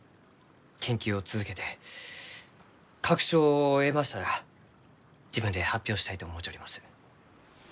研究を続けて確証を得ましたら自分で発表したいと思うちょります。